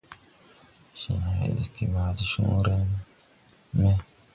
Je haa ɗiggi ma de cõõre me.